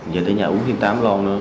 về tới nhà uống thêm tám lon nữa